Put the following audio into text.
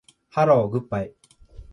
ハローグッバイ